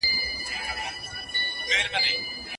آیا سهار تر غرمې ارام دی؟